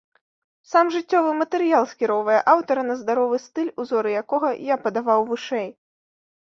Сам жыццёвы матэрыял скіроўвае аўтара на здаровы стыль, узоры якога я падаваў вышэй.